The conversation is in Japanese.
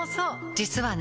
実はね